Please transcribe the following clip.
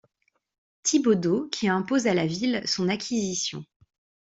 Thibaudeau qui impose à la ville son acquisition.